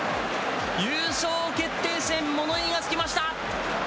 優勝決定戦、もの言いがつきました。